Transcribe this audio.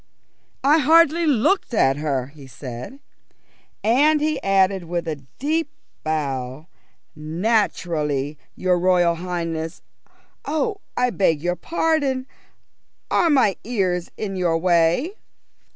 "I hardly looked at her," he said. And he added with a deep bow, "Naturally when your Royal Highness oh, I beg your pardon, are my ears in your way?"